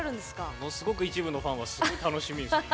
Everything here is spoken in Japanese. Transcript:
ものすごく一部のファンはすごい楽しみにしてる。